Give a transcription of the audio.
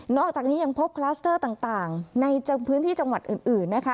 อกจากนี้ยังพบคลัสเตอร์ต่างในพื้นที่จังหวัดอื่นนะคะ